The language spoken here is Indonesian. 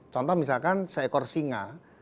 contoh misalkan seekor singa